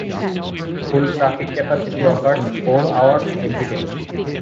Full traffic capacity occurs four hours every day.